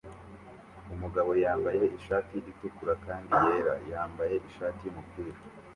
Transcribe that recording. Umugabo yambaye ishati itukura kandi yera yambaye ishati yumupira